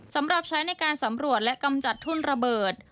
สำหรับใช้ในการสำรวจและกำจัดทุ่นระเบิด